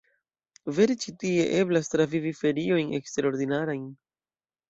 Vere ĉi tie eblas travivi feriojn eksterordinarajn!